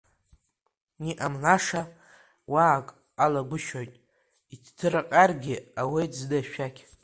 Иҟамлаша уа ак ҟалагәышьоит, иҭдырҟьаргьы ауеит зны ашәақь.